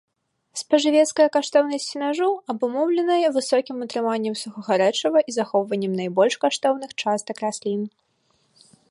Спажывецкая каштоўнасць сенажу абумоўлена высокім утрыманнем сухога рэчыва і захоўваннем найбольш каштоўных частак раслін.